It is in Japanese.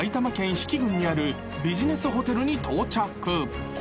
比企郡にあるビジネスホテルに到着］